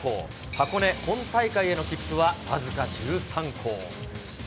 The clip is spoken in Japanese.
箱根本大会への切符は、僅か１３校。